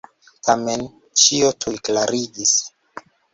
Tamen, ĉio tuj klariĝis.